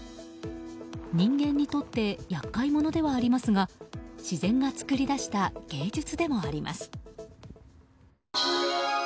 人間にとって厄介者ではありますが自然が作り出した芸術でもあります。